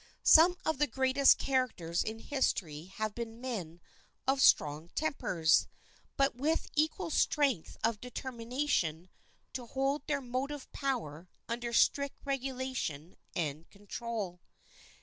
Some of the greatest characters in history have been men of strong tempers, but with equal strength of determination to hold their motive power under strict regulation and control.